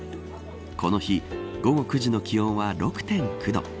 この日、午後９時の気温は６．９度。